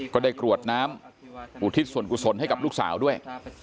กรวดน้ำอุทิศส่วนกุศลให้กับลูกสาวด้วย